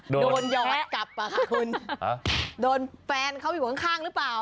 โดนหยอดกลับอ่ะค่ะคุณโดนแฟนเขาอยู่ข้างหรือเปล่า